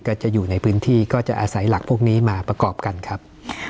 ก็จะอยู่ในพื้นที่ก็จะอาศัยหลักพวกนี้มาประกอบกันครับ